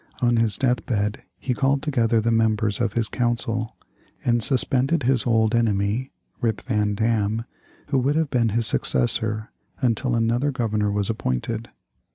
On his death bed he called together the members of his council, and suspended his old enemy, Rip Van Dam, who would have been his successor until another Governor was appointed.